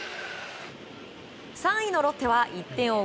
３位のロッテは１点を追う